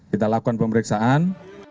kita lakukan pemeriksaan